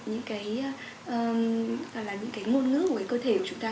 những cái ngôn ngữ của cơ thể của chúng ta